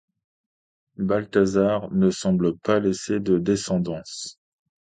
Balthazar ne semble pas laisser de descendance.